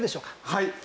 はい。